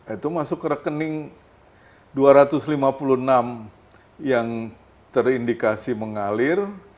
itu masuk ke rekening dua ratus lima puluh enam yang terindikasi mengalir